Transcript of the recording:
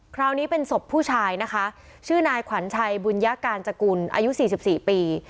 คราวนี้เป็นศพผู้ชายนะคะชื่อนายขวัญชัยบุญญาการจกุลอายุ๔๔ปี